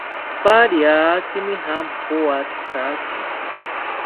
Pariakimi jampoathaki